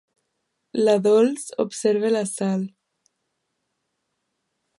La Dols observa la Sal.